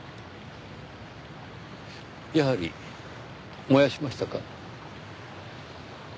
やはり燃やしましたか？